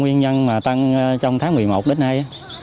nguyên nhân mà tăng trong tháng một mươi một đến nay